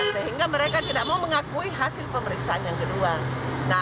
sehingga mereka tidak mau mengakui hasil pemeriksaan yang kedua